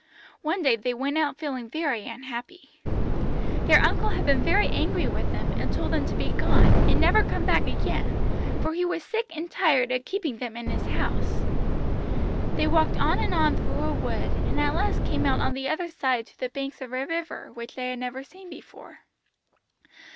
One day they went out feeling very unhappy. Their uncle had been very angry with them, and told them to be gone, and never come back again, for he was sick and tired of keeping them in his house. They walked on and on through a wood, and at last came out on the other side to the banks of a river which they had never seen before.